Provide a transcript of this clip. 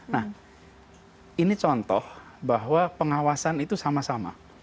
nah ini contoh bahwa pengawasan itu sama sama